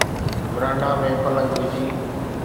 ورانڊا ۾ پلنگ وجھي